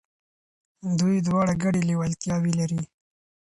دوی دواړه ګډي لېوالتياوي لري.